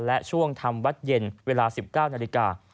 และช่วงทำวัดเย็นเวลา๑๙นาฬิกา